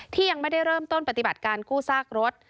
ที่ยังไม่ได้เริ่มต้นปฏิบัติการกู้ซากรถ